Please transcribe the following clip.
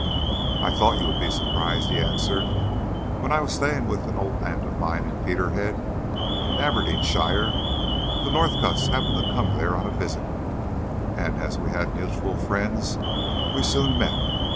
"I thought you would be surprised," he answered. "When I was staying with an old aunt of mine in Peterhead, in Aberdeenshire, the Northcotts happened to come there on a visit, and as we had mutual friends we soon met.